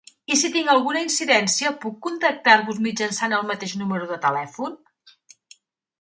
I si tinc alguna incidència puc contactar-vos mitjançant el mateix número de telèfon?